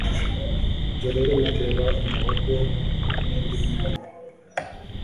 Ibyo rero bitera umuhogo nindi myanya